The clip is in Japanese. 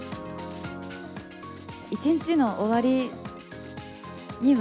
一日の終わりには、